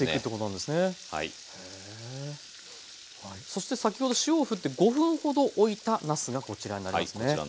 そして先ほど塩をふって５分ほどおいたなすがこちらになりますね。